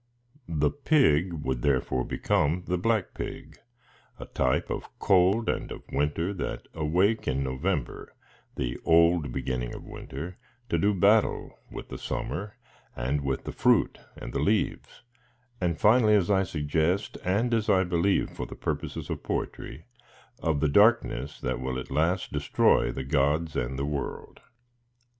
The Pig would, therefore, be come the Black Pig, a type of cold and of winter that awake in November, the old beginning of winter, to do battle with the summer, and with the fruit and leaves, and finally, as I suggest; and as I believe, for the purposes of poetry; 7 97 of the darkness that will at last destroy the gods and the world.